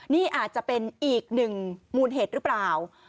นี่อาจจะเป็นอีกหนึ่งมูลเหตุหรือเปล่า